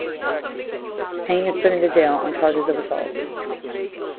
Payne is put into jail on charges of assault.